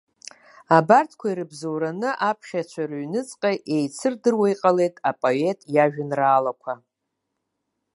Абарҭқәа ирыбзоураны, аԥхьаҩцәа рыҩнуҵҟа еицырдыруа иҟалеит апоет иажәеинраалақәа.